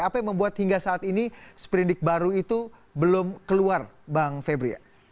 apa yang membuat hingga saat ini seperindik baru itu belum keluar bang febri